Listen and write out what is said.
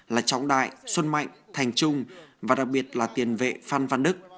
là trọng đại xuân mạnh thành trung và đặc biệt là tiền vệ phan văn đức